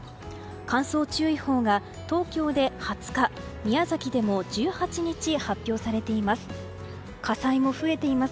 乾燥注意報が東京で２０日宮崎でも１８日発表されています。